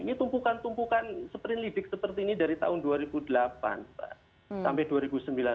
ini tumpukan tumpukan sprint lidik seperti ini dari tahun dua ribu delapan pak sampai dua ribu sembilan belas